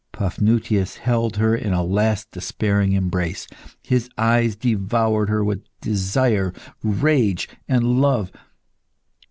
Paphnutius held her in a last despairing embrace; his eyes devoured her with desire, rage, and love.